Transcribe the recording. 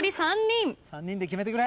３人で決めてくれ！